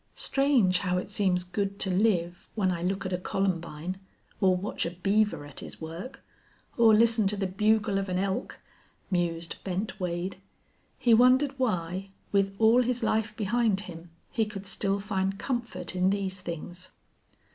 "Strange how it seems good to live when I look at a columbine or watch a beaver at his work or listen to the bugle of an elk!" mused Bent Wade. He wondered why, with all his life behind him, he could still find comfort in these things.